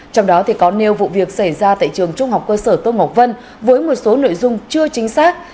trong đó có nêu vụ việc xảy ra tại trường trung học cơ sở tôn ngọc vân với một số nội dung chưa chính xác